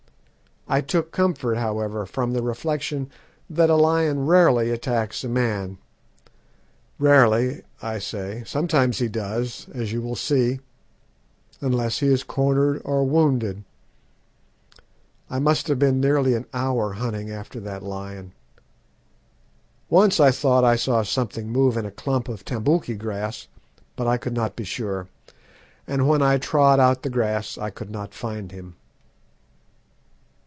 I took comfort, however, from the reflection that a lion rarely attacks a man rarely, I say; sometimes he does, as you will see unless he is cornered or wounded. I must have been nearly an hour hunting after that lion. Once I thought I saw something move in a clump of tambouki grass, but I could not be sure, and when I trod out the grass I could not find him.